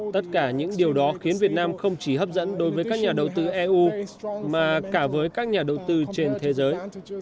tất cả những điều đó khiến việt nam không chỉ hấp dẫn đối với các nhà đầu tư eu mà cả với các nhà đầu tư trên thế giới